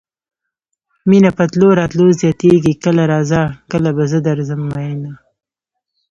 مينه په تلو راتلو زياتيږي کله راځه کله به زه درځم مينه